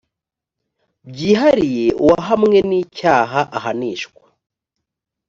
byihariye uwahamwe n icyaha ahanishwa